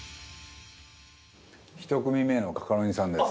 １組目のカカロニさんです。